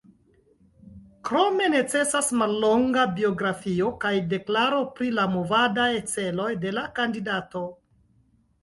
Krome necesas mallonga biografio kaj deklaro pri la movadaj celoj de la kandidato.